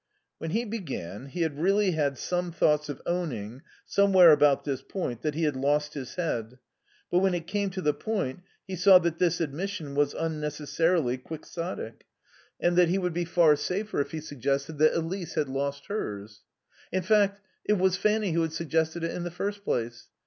When he began he had really had some thoughts of owning, somewhere about this point, that he had lost his head; but when it came to the point he saw that this admission was unnecessarily quixotic, and that he would be far safer if he suggested that Elise had lost hers. In fact, it was Fanny who had suggested it in the first place.